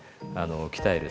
鍛える